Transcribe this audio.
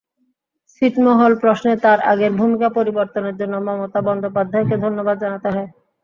ছিটমহল প্রশ্নে তাঁর আগের ভূমিকা পরিবর্তনের জন্য মমতা বন্দ্যোপাধ্যায়কে ধন্যবাদ জানাতে হয়।